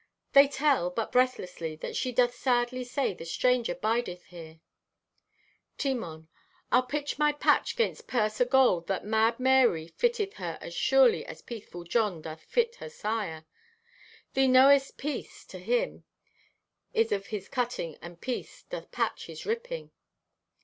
"They tell, but breathlessly, that she doth sadly say the Stranger bideth here." (Timon) "I'll pit my patch 'gainst purse o' gold, that 'Mad Marye' fitteth her as surely as 'Peaceful John' doth fit her sire. Thee knowest 'peace' to him is of his cutting, and 'piece' doth patch his ripping.